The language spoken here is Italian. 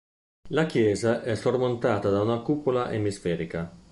La chiesa è sormontata da una cupola emisferica.